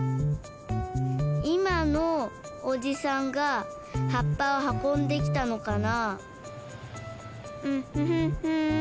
いまのおじさんが葉っぱをはこんできたのかな？